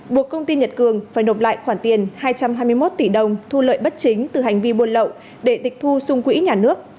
buộc công ty nhật cường phải nộp lại khoản tiền hai trăm hai mươi một tỷ đồng thu lợi bất chính từ hành vi buôn lậu để tịch thu xung quỹ nhà nước